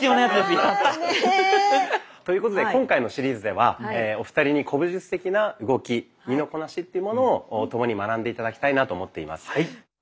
やった！ということで今回のシリーズではお二人に古武術的な動き身のこなしというものを共に学んで頂きたいなと思っています。